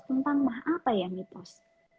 tentang mah apa ya mitos